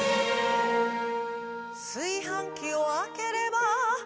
「すいはんきをあければ」